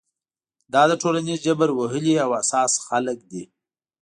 دا د ټولنیز جبر وهلي او حساس خلک دي.